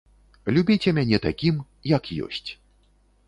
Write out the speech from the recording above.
Любіце мяне такім, як ёсць.